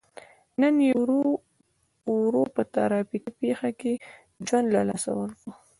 نن یې ورور په ترافیکي پېښه کې ژوند له لاسه ورکړی.